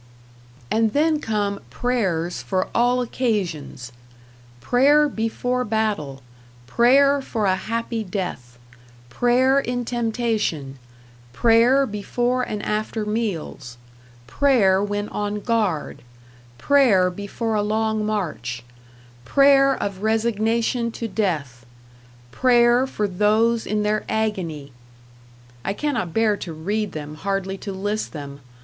And then come prayers for all occasions: "Prayer before Battle"; "Prayer for a Happy Death"; "Prayer in Temptation"; "Prayer before and after Meals"; "Prayer when on Guard"; "Prayer before a long March"; "Prayer of Resignation to Death"; "Prayer for Those in their Agony" I cannot bear to read them, hardly to list them.